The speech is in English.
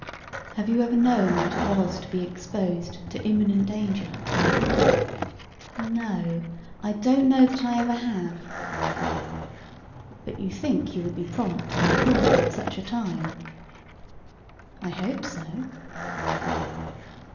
"Have you ever known what it was to be exposed to imminent danger?" "No, I don't know that I ever have." "But you think you would be prompt and cool at such a time?" "I hope so."